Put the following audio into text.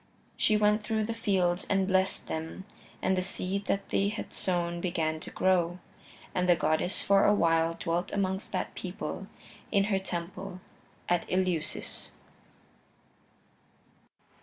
She went through the fields and blessed them, and the seed that they had sown began to grow. And the goddess for a while dwelt amongst that people, in her temple at Eleusis.